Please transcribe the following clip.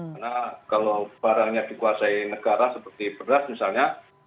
karena kalau barangnya dikuasai negara seperti pedas misalnya